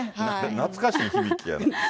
懐かしい響きやな。